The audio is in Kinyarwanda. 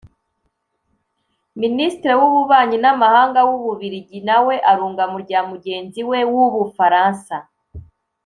Ministre w’ububanyi n’amahanga w’u Bubiligi nawe arunga mu rya mugenzi we w’u Bufaransa